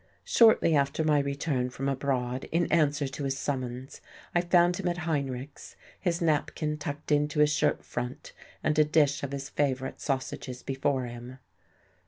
Shortly after my return from abroad, in answer to his summons, I found him at Heinrich's, his napkin tucked into his shirt front, and a dish of his favourite sausages before him.